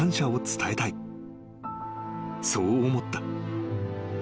［そう思った］